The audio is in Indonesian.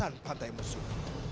kawasan pantai musuh